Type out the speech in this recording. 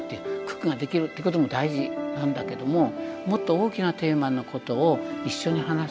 九九ができるってことも大事なんだけどももっと大きなテーマのことを一緒に話す。